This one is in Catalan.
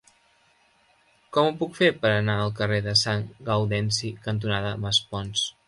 Com ho puc fer per anar al carrer Sant Gaudenci cantonada Maspons?